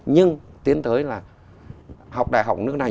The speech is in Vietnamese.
nhưng tiến tới là học đại học nước này